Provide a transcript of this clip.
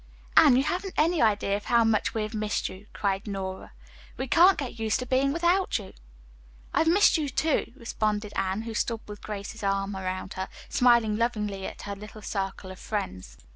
"Anne, you haven't any idea of how much we have missed you," cried Nora. "We can't get used to being without you." "I've missed you, too," responded Anne who stood with Grace's arm around her, smiling lovingly at her little circle of friends.